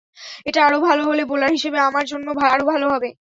এটা আরও ভালো হলে বোলার হিসেবে আমার জন্যও আরও ভালো হবে।